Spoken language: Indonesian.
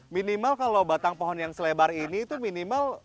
minimal kalau batang pohon yang selebar ini itu minimal